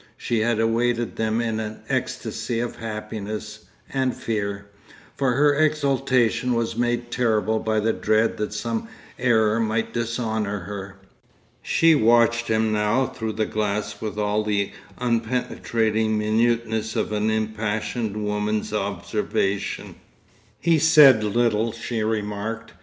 She had awaited them in an ecstasy of happiness—and fear. For her exaltation was made terrible by the dread that some error might dishonour her.... She watched him now through the glass with all the unpenetrating minuteness of an impassioned woman's observation. He said little, she remarked.